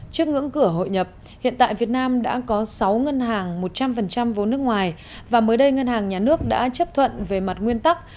trước ngưỡng cửa hội nhập hiện tại việt nam đã có sáu ngân hàng một trăm linh vốn nước ngoài và mới đây ngân hàng nhà nước đã chấp thuận về mặt nguyên tắc